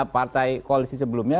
partai koalisi sebelumnya